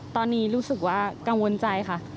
ตอนนี้รู้สึกว่ากังวลใจค่ะ